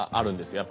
やっぱ。